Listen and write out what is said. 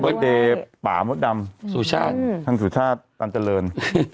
วันเดป่ามดดำทางสุชาติปัญจรรย์